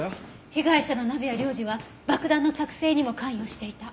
被害者の鍋谷亮次は爆弾の作製にも関与していた。